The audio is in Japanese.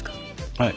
はい。